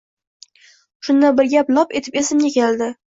Shunda bir gap lop etib esimga keldi